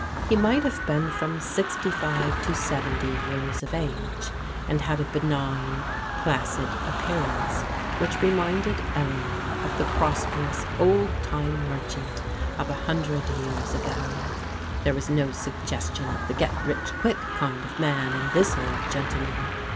He might have been {torn sixtj fe^^ Xci ^^^\&3 336 PBODIQAL DAUGHTEBS years of age, and had a benign, placid appearance whidi reminded Eleanor of the prosperous, old time merchant, of a hundred years ago. There was no suggestion of i the " get rich quick *' kind of man in this old gentleman.